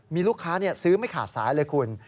มีลูกค้าซื้อไม่ขาดสายเลยคุณ